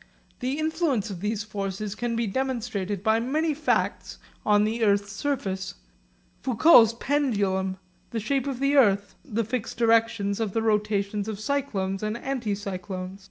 The influence of these forces can be demonstrated by many facts on the earth's surface, Foucault's pendulum, the shape of the earth, the fixed directions of the rotations of cyclones and anticyclones.